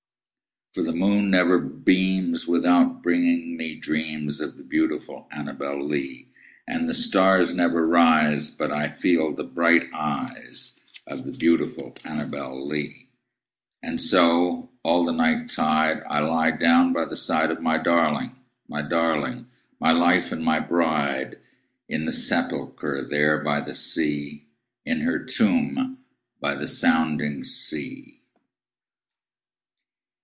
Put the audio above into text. For the moon never beams without bringing me dreams Of the beautiful ANNABEL LEE; And the stars never rise but I see the bright eyes Of the beautiful ANNABEL LEE; And so, all the night tide, I lie down by the side Of my darling, my darling, my life and my bride, In her sepulchre there by the sea In her tomb by the side of the sea.